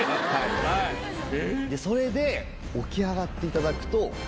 それで起き上がって頂くと。